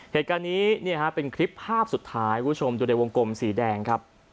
เหตุการณ์นี้เป็นคลิปภาพสุดท้ายคุณผู้ชมดูในวงกลมสีแดงครับ